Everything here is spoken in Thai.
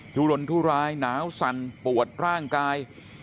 ุรนทุรายหนาวสั่นปวดร่างกาย